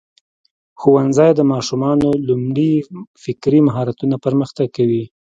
ښوونځی د ماشومانو لومړني فکري مهارتونه پرمختګ کوي.